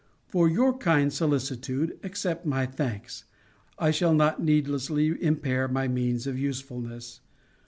For your kind solicitude accept my thanks. I shall not needlessly impair my means of usefulness.